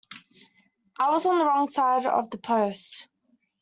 I was on the wrong side of the post.